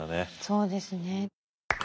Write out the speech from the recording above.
そうですね。